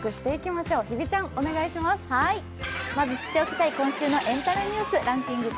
まず知っておきたい今週のエンタメニュース、ランキング